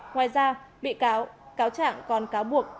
ngoài ra bị cáo trạng còn cáo buộc